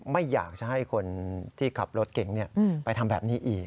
ไม่อยากจะให้คนที่ขับรถเก่งไปทำแบบนี้อีก